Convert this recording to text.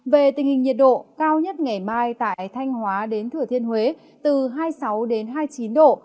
về tình hình nhiệt độ cao nhất ngày mai tại thanh hóa đến thừa thiên huế từ hai mươi sáu hai mươi chín độ